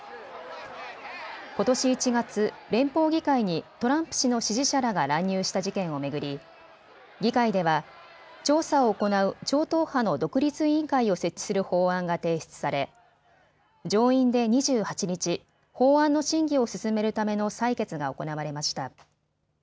ことし１月、連邦議会にトランプ氏の支持者らが乱入した事件を巡り、議会では調査を行う超党派の独立委員会を設置する法案が提出され上院で２８日、法案の審議を進めるための採決が行われました。